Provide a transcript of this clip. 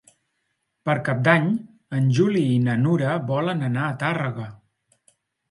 Per Cap d'Any en Juli i na Nura volen anar a Tàrrega.